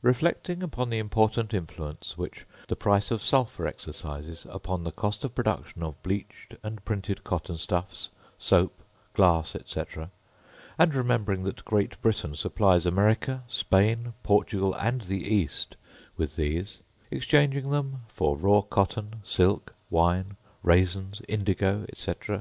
Reflecting upon the important influence which the price of sulphur exercises upon the cost of production of bleached and printed cotton stuffs, soap, glass, &c., and remembering that Great Britain supplies America, Spain, Portugal, and the East, with these, exchanging them for raw cotton, silk, wine, raisins, indigo, &c., &c.